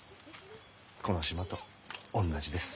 この島と同じです。